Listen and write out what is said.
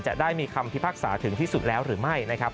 จะได้มีคำพิพากษาถึงที่สุดแล้วหรือไม่นะครับ